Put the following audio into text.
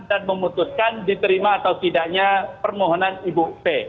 dan memutuskan diterima atau tidaknya permohonan ibu pe